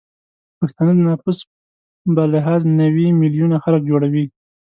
پښتانه د نفوس به لحاظ نوې میلیونه خلک جوړوي